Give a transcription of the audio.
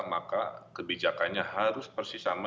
maka kebijakannya harus persisama